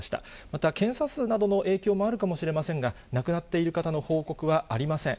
また検査数などの影響もあるかもしれませんが、亡くなっている方の報告はありません。